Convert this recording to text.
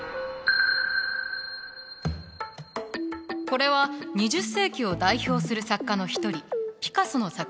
これは２０世紀を代表する作家の一人ピカソの作品よ。